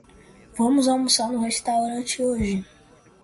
Vamos almoçar no restaurante hoje.